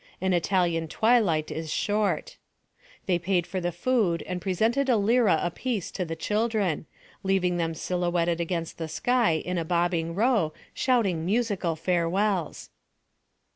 An Italian twilight is short. They paid for the food and presented a lira apiece to the children, leaving them silhouetted against the sky in a bobbing row shouting musical farewells.